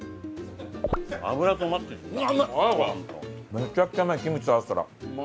めちゃくちゃうまいキムチと合わせたら。